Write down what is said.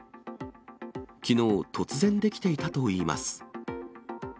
きのう、突然出来ていたといいます。